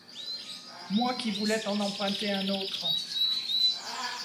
Moi qui voulais t’en emprunter un autre !